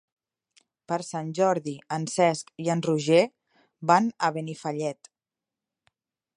Per Sant Jordi en Cesc i en Roger van a Benifallet.